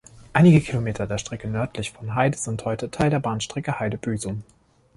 Einige Kilometer der Strecke nördlich von Heide sind heute Teil der Bahnstrecke Heide–Büsum.